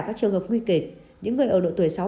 các trường hợp nguy kịch những người ở độ tuổi